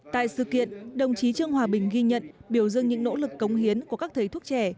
tại sự kiện đồng chí trương hòa bình ghi nhận biểu dương những nỗ lực cống hiến của các thầy thuốc trẻ